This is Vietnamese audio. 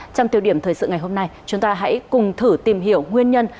trong tiêu điểm thời sự ngày hôm nay chúng ta hãy cùng thử tìm hiểu nguyên nhân